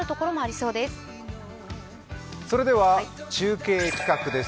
それでは、中継企画です。